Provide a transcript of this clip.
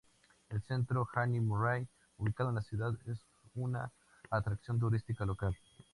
El Centro Anne Murray, ubicado en la ciudad, es una atracción turística local.